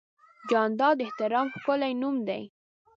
جانداد د احترام ښکلی نوم دی.